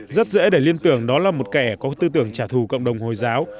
rất dễ để liên tưởng đó là một kẻ có tư tưởng trả thù cộng đồng hồi giáo